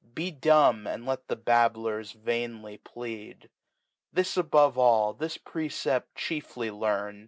Be dumb, and let the Bablers vainly, plead. This above all, this Precept chiefly learn.